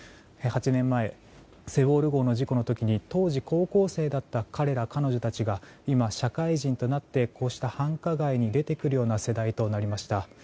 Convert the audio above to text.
８年前「セウォル号」の事故の時に当時、高校生だった彼ら、彼女たちが今、社会人となってこうした繁華街に出てくるような世代となりました。